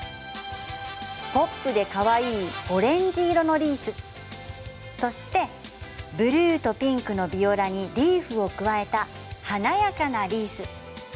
ポップでかわいいオレンジ色のリースそしてブルーとピンクのビオラにリーフを加えた華やかなリース。